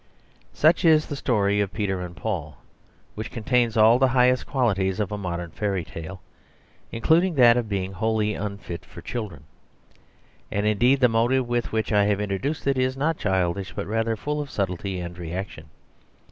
Such is the story of Peter and Paul, which contains all the highest qualities of a modern fairy tale, including that of being wholly unfit for children; and indeed the motive with which I have introduced it is not childish, but rather full of subtlety and reaction.